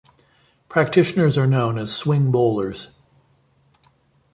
Practitioners are known as swing bowlers.